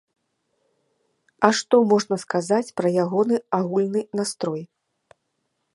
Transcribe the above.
А што можна сказаць пра ягоны агульны настрой?